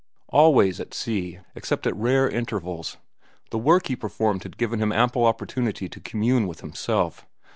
Always, at sea, except at rare intervals, the work he performed had given him ample opportunity to commune with himself.